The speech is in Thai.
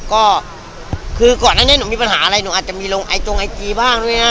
ก็คือก่อนอันนี้หนูมีปัญหาอะไรหนูอาจจะมีลงไอจงไอจีบ้างด้วยนะ